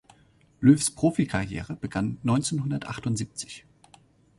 Löws Profikarriere begann neunzehnhundertachtundsiebzig.